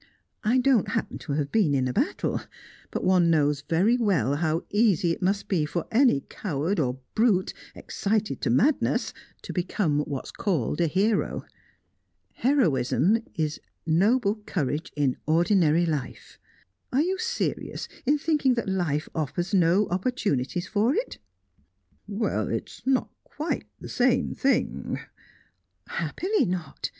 I don't happen to have been in a battle, but one knows very well how easy it must be for any coward or brute, excited to madness, to become what's called a hero. Heroism is noble courage in ordinary life. Are you serious in thinking that life offers no opportunities for it?" "Well it's not quite the same thing " "Happily, not!